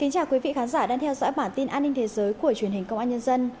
chào mừng quý vị đến với bản tin an ninh thế giới của truyền hình công an nhân dân